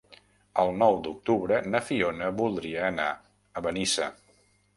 El nou d'octubre na Fiona voldria anar a Benissa.